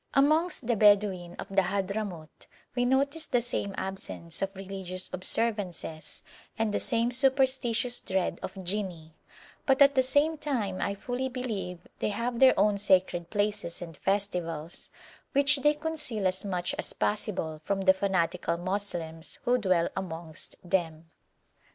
Amongst the Bedouin of the Hadhramout we noticed the same absence of religious observances and the same superstitious dread of jinni, but at the same time I fully believe they have their own sacred places and festivals, which they conceal as much as possible from the fanatical Moslems who dwell amongst them.